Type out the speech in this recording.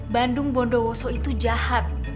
bandung bunda warsop itu jahat